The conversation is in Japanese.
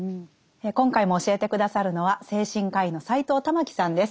今回も教えて下さるのは精神科医の斎藤環さんです。